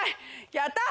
やったー！